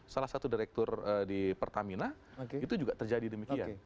salah satu direktur di pertamina itu juga terjadi demikian